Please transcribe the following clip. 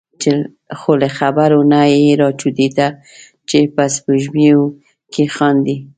خو له خبرو نه یې را جوتېده چې په سپېږمو کې خاندي.